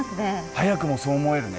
早くもそう思えるね。